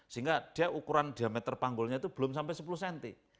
sehingga dia ukuran diameter panggulnya itu belum sampai sepuluh cm